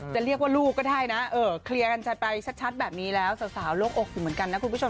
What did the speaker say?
จะเรียกว่าลูกก็ได้นะเคลียร์กันชัดไปชัดแบบนี้แล้วสาวโลกอกอยู่เหมือนกันนะคุณผู้ชม